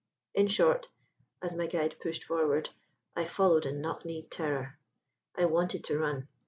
In short, as my guide pushed forward, I followed in knock knee'd terror. I wanted to run.